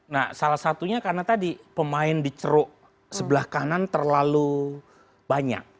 nah salah satunya karena tadi pemain diceru sebelah kanan terlalu banyak